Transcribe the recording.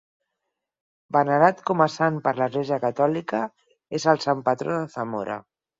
Venerat com a sant per l'Església catòlica, és el sant patró de Zamora.